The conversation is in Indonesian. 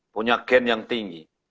punya gen yang tinggi